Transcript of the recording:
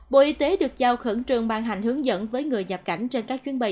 bộ y tế được giao khẩn trường ban hành hướng dẫn với người nhập cảnh trên các chuyến bay